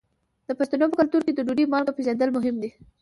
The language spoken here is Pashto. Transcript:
د پښتنو په کلتور کې د ډوډۍ مالګه پیژندل مهم دي.